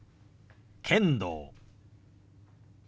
「剣道」。